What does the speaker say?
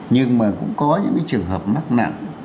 nhưng mà cũng có những trường hợp mắc nặng